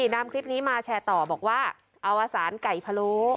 นำคลิปนี้มาแชร์ต่อบอกว่าอวสารไก่พะโล้